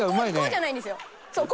こうじゃないんですよ。